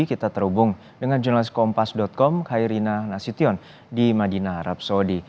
kita terhubung dengan jurnalis kompas com khairina nasution di madinah arab saudi